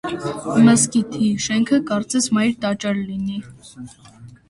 Մզկիթի շենքը կարծես մայր տաճար լինի։